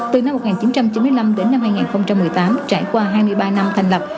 từ năm một nghìn chín trăm chín mươi năm đến năm hai nghìn một mươi tám trải qua hai mươi ba năm thành lập